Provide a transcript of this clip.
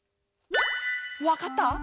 わかった？